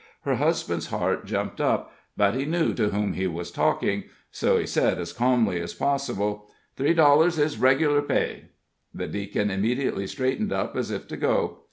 Her husband's heart jumped up, but he knew to whom he was talking, so he said, as calmly as possible: "Three dollars is reg'lar pay." The Deacon immediately straightened up as if to go.